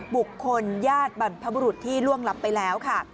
บุคคลญาติบรรพบุรุษที่ล่วงลับไปแล้วค่ะ